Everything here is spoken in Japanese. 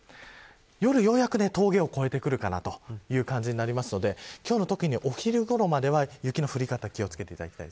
夜、ようやく峠を越えてくる感じになりますので今日の、特にお昼ごろまでは雪の降り方に気を付けてください。